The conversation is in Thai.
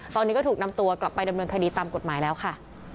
ตอนนี้ก็ถูกนำตัวกลับไปดำเนินคดีตามกฎหมายแล้วค่ะ